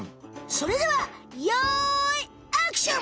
それではよいアクション！